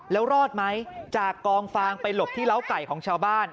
แล้วรอดไหมจากกองฟางไปหลบที่เล้าไก่ของชาวบ้าน